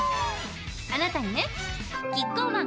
あなたにねキッコーマン